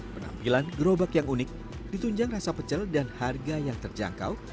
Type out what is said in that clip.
penampilan gerobak yang unik ditunjang rasa pecel dan harga yang terjangkau